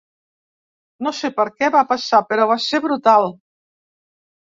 No sé per què va passar, però va ser brutal.